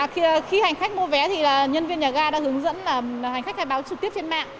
khi hành khách mua vé nhân viên nhà ga đã hướng dẫn hành khách khai báo trực tiếp trên mạng